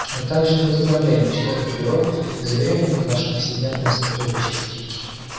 Мы также поздравляем членов Бюро и заверяем их в нашем всемерном сотрудничестве.